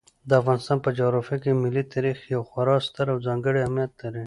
د افغانستان په جغرافیه کې ملي تاریخ یو خورا ستر او ځانګړی اهمیت لري.